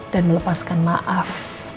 dan melepaskan maaf